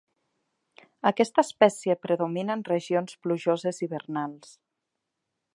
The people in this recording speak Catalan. Aquesta espècie predomina en regions plujoses hivernals.